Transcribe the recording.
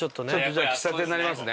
じゃあ喫茶店になりますね。